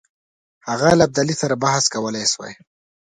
هغه له ابدالي سره بحث کولای سوای.